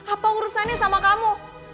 apa urusannya sama kamu